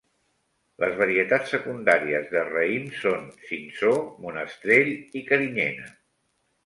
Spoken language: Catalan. Les varietats secundàries de raïm són cinsaut, monestrell i carinyena.